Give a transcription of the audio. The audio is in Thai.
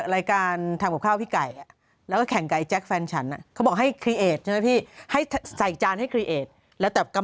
ไม่แต่ท้านเลนส์มันได้ไหมล่ะ